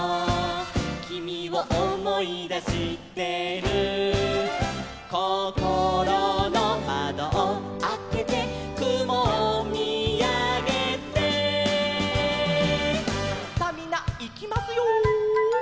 「君を思い出してる」「こころの窓をあけて」「雲を見あげて」さあみんないきますよ。